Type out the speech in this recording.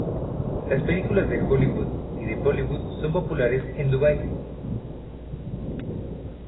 Las películas de Hollywood y de Bollywood son populares en Dubái.